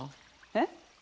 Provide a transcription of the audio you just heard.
えっ？